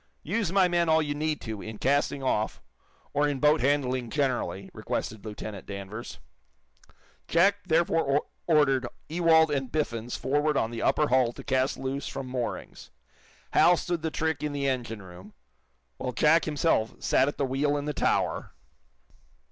"Use my men all you need to, in casting off, or in boat handling generally," requested Lieutenant Danvers. Jack therefore ordered Ewald and Biffens forward on the upper hull to cast loose from moorings. Hal stood the trick in the engine room, while Jack himself sat at the wheel in the tower.